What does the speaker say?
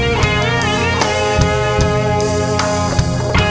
ยังเพราะความสำคัญ